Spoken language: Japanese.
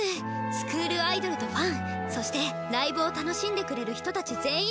スクールアイドルとファンそしてライブを楽しんでくれる人たち全員のフェスティバル！